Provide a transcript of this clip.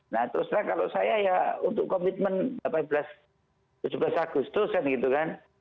nah terus kalau saya ya untuk komitmen tujuh belas agustus kan gitu kan